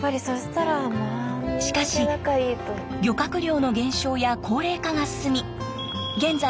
しかし漁獲量の減少や高齢化が進み現在